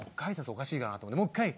おかしいかなと思ってもっかい